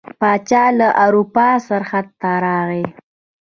پاچا له اروپا څخه ته راغی.